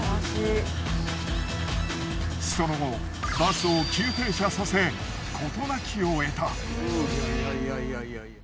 その後バスを急停車させ事なきを得た。